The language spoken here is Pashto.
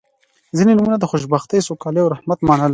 • ځینې نومونه د خوشبختۍ، سوکالۍ او رحمت معنا لري.